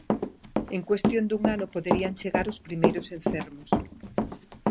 En cuestión dun ano poderían chegar os primeiros enfermos.